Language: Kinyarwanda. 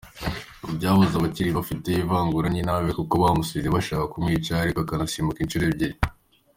Ntibyanyuze abari bafite ivangura n’inabi kuko bamuhize bashaka kumwica ariko akarusimbuka inshuro ebyiri.